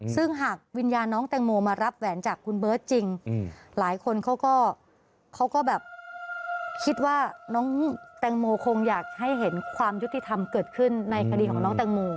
ซึ่งหากวิญญาณน้องแตงโมมารับแหวนจากคุณเบิร์ตจริงหลายคนเขาก็แบบคิดว่าน้องแตงโมคงอยากให้เห็นความยุติธรรมเกิดขึ้นในคดีของน้องแตงโม